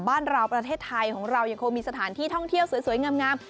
บ้านเราประเทศไทยของเรายังคงมีสถานที่ท่องเที่ยวสวยงาม